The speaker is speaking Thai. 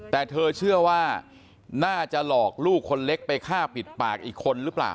แต่เธอเชื่อว่าน่าจะหลอกลูกคนเล็กไปฆ่าปิดปากอีกคนหรือเปล่า